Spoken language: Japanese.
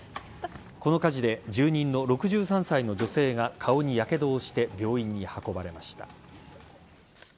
この火事で住人の６３歳の女性が顔にやけどをして病院に運ばれました。